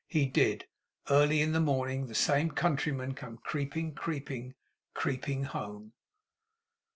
He did. Early in the morning, the same countryman came creeping, creeping, creeping home.